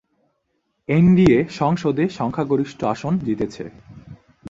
NDA সংসদে সংখ্যাগরিষ্ঠ আসন জিতেছে।